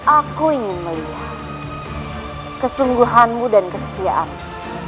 aku ingin melihat kesungguhanmu dan kesetiaanmu